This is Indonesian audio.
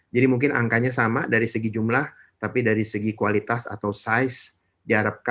jadi mungkin angkanya sama dari segi jumlah tapi dari segi kualitas atau size